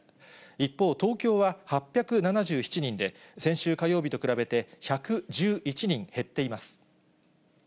一方、東京は８７７人で、先週火曜日と比べて１１１人減っています。